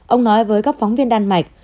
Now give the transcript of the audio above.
ông nói với các phóng viên đan mạch